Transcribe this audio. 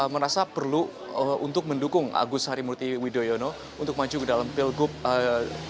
merasa perlu untuk mendukung agus harimurti yudhoyono untuk maju ke dalam pilgub dki jakarta dua ribu tujuh belas ini